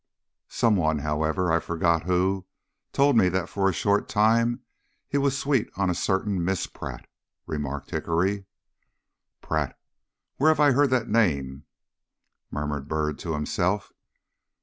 "Some one, however, I forget who, told me that for a short time he was sweet on a certain Miss Pratt," remarked Hickory. "Pratt? Where have I heard that name?" murmured Byrd to himself.